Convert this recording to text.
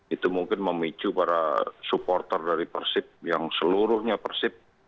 itu mungkin memicu para supporter dari persib yang seluruhnya persib